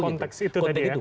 konteks itu tadi ya